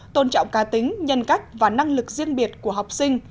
tôn trọng cá tính nhân cách và năng lực riêng biệt của học sinh